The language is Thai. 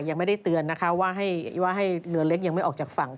ยังไม่ได้เตือนนะคะว่าให้เรือเล็กยังไม่ออกจากฝั่ง